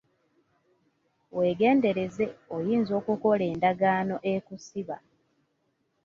Weegendereze, oyinza okukola endagaano ekusiba.